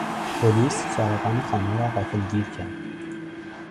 پلیس سارقان خانه را غافلگیر کرد.